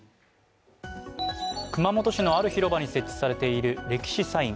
熊本市のある広場に設置されている歴史サイン。